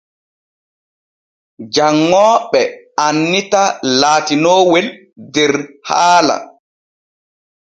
Janŋooɓe annita laatinoowel der haala.